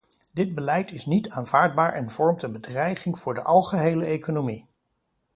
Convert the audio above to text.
Dit beleid is niet aanvaardbaar en vormt een bedreiging voor de algehele economie.